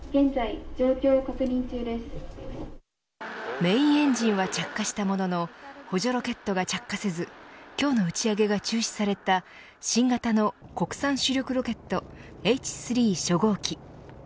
メーンエンジンは着火したものの補助ロケットが着火せず今日の打ち上げが中止された新型の国産主力ロケットＨ３初号機。